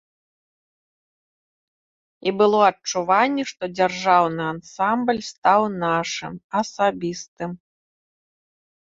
І было адчуванне, што дзяржаўны ансамбль стаў нашым, асабістым.